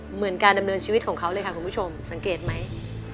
เหมือนการดำเนินชีวิตของเขาเลยค่ะคุณผู้ชมสังเกตไหม